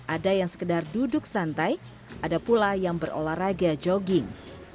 ada yang sekedar duduk santai ada pula yang berolahraga jogging